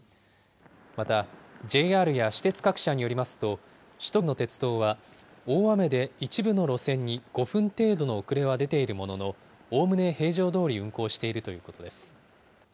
またＪＲや私鉄各社によりますと、首都圏の鉄道は、大雨で一部の路線に５分程度の遅れは出ているものの、おおむね平常どおり運行しているということです。